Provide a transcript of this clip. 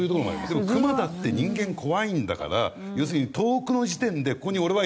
でもクマだって人間怖いんだから要するに遠くの時点でここに俺はいるぞって。